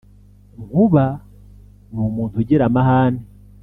Nkuba ni umuntu ugira amahane